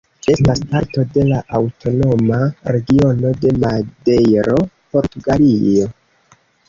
Estas parto de la Aŭtonoma Regiono de Madejro, Portugalio.